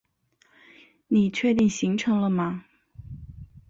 你确定行程了吗？